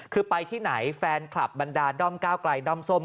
คือไปที่ไหนแฟนคลับบรรดาด้อมก้าวไกลด้อมส้ม